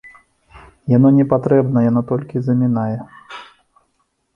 Яно непатрэбна, яно толькі замінае.